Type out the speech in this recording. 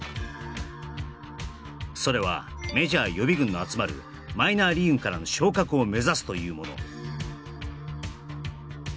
それはメジャー予備軍の集まるマイナーリーグからの昇格を目指すというもの